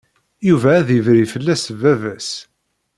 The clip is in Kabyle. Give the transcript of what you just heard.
Yuba ad iberri fell-as baba-s.